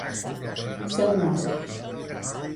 Ser un mort.